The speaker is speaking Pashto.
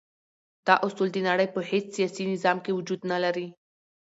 دا اصول د نړی په هیڅ سیاسی نظام کی وجود نلری.